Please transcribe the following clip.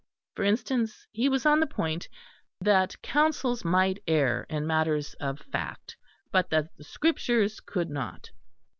For instance, he was on the point that Councils might err in matters of fact, but that the Scriptures could not.